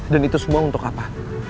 itu semua untuk apa